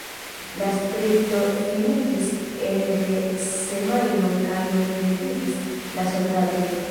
La striko finiĝis ene de semajno kaj oni retiris la soldatojn.